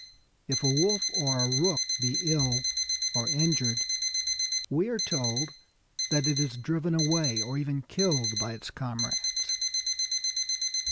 If a wolf or a rook be ill or injured, we are told that it is driven away or even killed by its comrades.